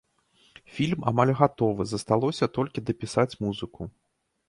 Фільм амаль гатовы, засталося толькі дапісаць музыку.